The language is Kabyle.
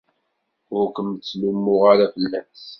Ur kem-ttlummuɣ ara fell-as.